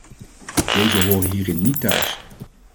Deze horen hierin niet thuis.